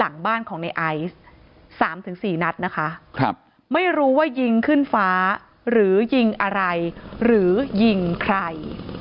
๓๔นัดนะคะไม่รู้ว่ายิงขึ้นฟ้าหรือยิงอะไรหรือยิงใคร